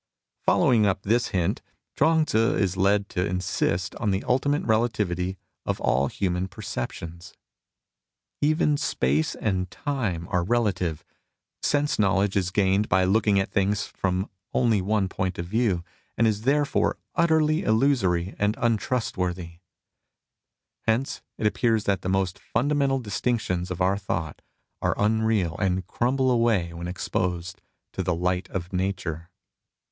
FoUowing up this hint, Chuang Tzu is led to insist on the ultimate relativity of all human perceptions. Even space and time are relative. Sense knowledge is gained by looking at things from only one point of view, and is therefore utterly illusory and untrust worthy. Hence, it appears that the most funda ment€d distinctions of our thought are unreal and crumble away when exposed to the "light of Nature."